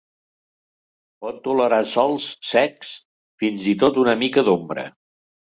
Pot tolerar sòls secs, fins i tot una mica d'ombra.